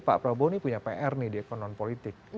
pak prabowo ini punya pr nih di ekonomi politik